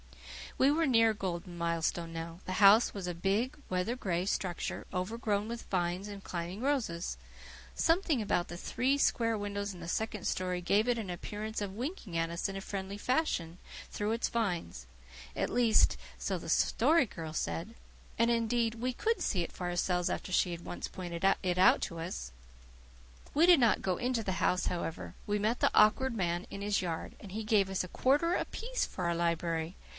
We were near Golden Milestone now. The house was a big, weather gray structure, overgrown with vines and climbing roses. Something about the three square windows in the second story gave it an appearance of winking at us in a friendly fashion through its vines at least, so the Story Girl said; and, indeed, we could see it for ourselves after she had once pointed it out to us. We did not get into the house, however. We met the Awkward man in his yard, and he gave us a quarter apiece for our library.